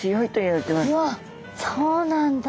わっそうなんだ。